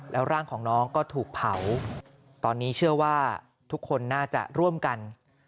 แล้วร่างของน้องก็ถูกเผาตอนนี้เชื่อว่าทุกคนน่าจะร่วมกัน